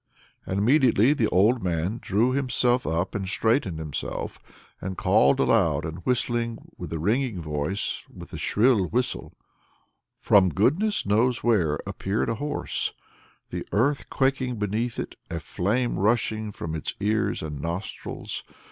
And immediately the old man drew himself up and straightened himself, and called aloud and whistled with a ringing voice, with a shrill whistle. From goodness knows whence appeared a horse, the earth quaking beneath it, a flame rushing from its ears and nostrils.